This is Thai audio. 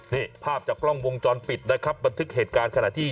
นี่ภาพจากกล้องวงจรปิดนะครับบันทึกเหตุการณ์ขณะที่